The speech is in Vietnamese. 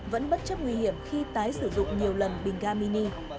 vẫn bất chấp nguy hiểm khi tái sử dụng nhiều lần bình garmini